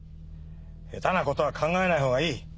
ヘタなことは考えないほうがいい。